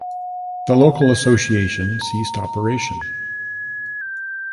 The local association ceased operation.